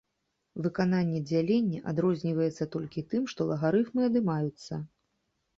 Выкананне дзялення адрозніваецца толькі тым, што лагарыфмы адымаюцца.